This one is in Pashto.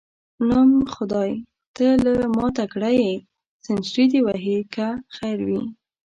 نام خدای، ته له ما تکړه یې، سنچري دې وهې که خیر وي.